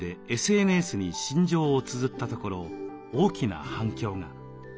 ＳＮＳに心情をつづったところ大きな反響が。